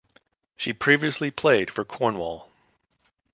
She previously played for Cornwall.